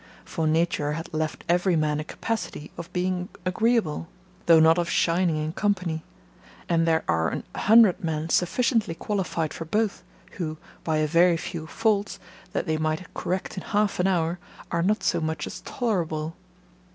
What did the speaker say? For nature hath left every man a capacity of being agreeable, though not of shining in company; and there are an hundred men sufficiently qualified for both, who, by a very few faults, that they might correct in half an hour, are not so much as tolerable.